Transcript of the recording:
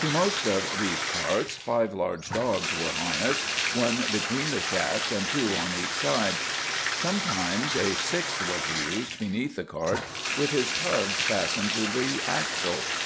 To most of these carts five large dogs were harnessed, one between the shafts and two on each side; sometimes a sixth was used beneath the cart with his tugs fastened to the axle.